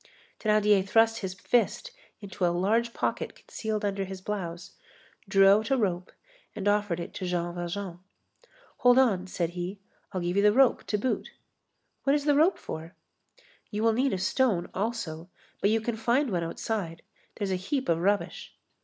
Thénardier thrust his fist into a large pocket concealed under his blouse, drew out a rope and offered it to Jean Valjean. "Hold on," said he, "I'll give you the rope to boot." "What is the rope for?" "You will need a stone also, but you can find one outside. There's a heap of rubbish."